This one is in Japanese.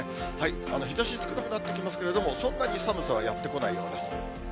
日ざし少なくなってきますけれども、そんなに寒さはやって来ないようです。